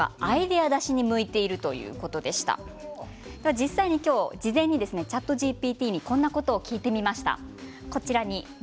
実際に事前にＣｈａｔＧＰＴにこんなことを聞いてみました。